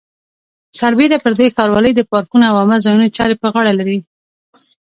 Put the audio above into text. سربېره پر دې ښاروالۍ د پارکونو او عامه ځایونو چارې په غاړه لري.